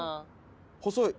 細い。